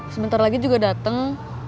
sebentar lagi juga dateng